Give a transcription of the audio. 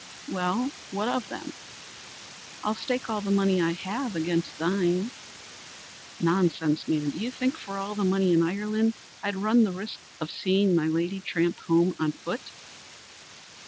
"Well, what of them?" "I'll stake all the money I have against thine." "Nonsense, man! Do you think for all the money in Ireland I'd run the risk of seeing my lady tramp home on foot?"